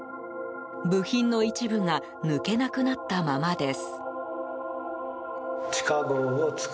部品の一部が抜けなくなったままです。